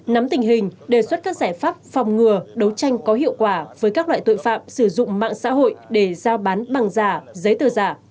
nắm tình hình đề xuất các giải pháp phòng ngừa đấu tranh có hiệu quả với các loại tội phạm sử dụng mạng xã hội để giao bán bằng giả giấy tờ giả